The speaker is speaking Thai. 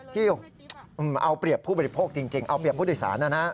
ที่เอาเปรียบผู้บริโภคจริงเอาเปรียบผู้โดยสารนะฮะ